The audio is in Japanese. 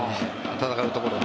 戦うところが。